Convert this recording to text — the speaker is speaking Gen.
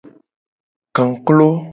Kaklo.